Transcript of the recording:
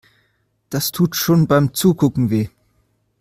Das tut schon beim Zugucken weh.